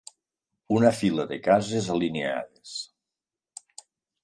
Una fila de cases alineades.